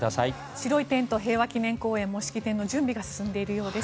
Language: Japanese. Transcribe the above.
白いテント平和祈念公園も式典の準備が進んでいるようです。